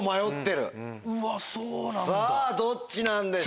うわそうなんだ。